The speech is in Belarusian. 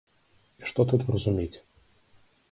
І што тут разумець.